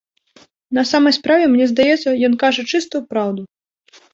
На самай справе, мне здаецца, ён кажа чыстую праўду.